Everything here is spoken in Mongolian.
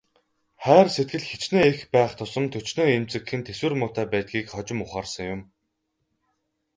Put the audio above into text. Хайр сэтгэл хэчнээн их байх тусам төчнөөн эмзэгхэн, тэсвэр муутай байдгийг хожим ухаарсан юм.